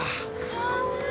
かわいい。